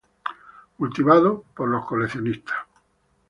Cultivado por los coleccionistas.